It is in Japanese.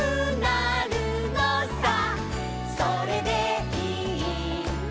「それでいいんだ」